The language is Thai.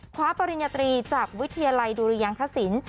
ปริญญาตรีจากวิทยาลัยดุรยังคศิลป์